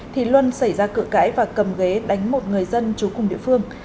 thì luân xảy ra cự cãi và cầm ghế đánh một người dân trú cùng địa phương